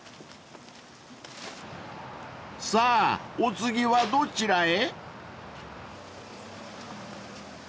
［さぁお次はどちらへ？］